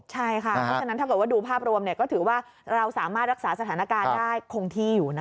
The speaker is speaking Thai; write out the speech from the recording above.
ใช่ค่ะเพราะฉะนั้นถ้าเกิดว่าดูภาพรวมก็ถือว่าเราสามารถรักษาสถานการณ์ได้คงที่อยู่นะคะ